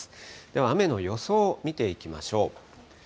では雨の予想を見ていきましょう。